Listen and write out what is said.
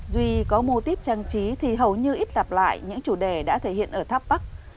duy có mô típ trang trí thì hầu như ít dạp lại những chủ đề đã thể hiện ở tháp bắc